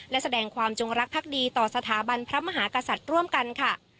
และแสดงความจงรักภักดีต่อสถาบันพระมหากษัตริย์ร่วมกันค่ะ